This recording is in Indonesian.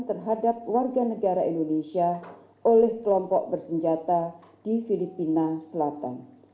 terhadap warga negara indonesia oleh kelompok bersenjata di filipina selatan